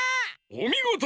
おみごと！